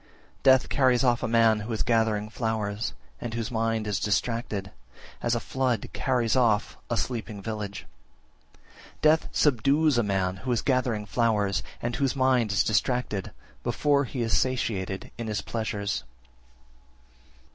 47. Death carries off a man who is gathering flowers and whose mind is distracted, as a flood carries off a sleeping village. 48. Death subdues a man who is gathering flowers, and whose mind is distracted, before he is satiated in his pleasures.